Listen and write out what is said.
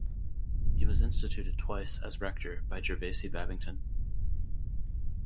He was instituted twice as rector by Gervase Babington.